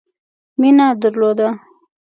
مینه درلوده.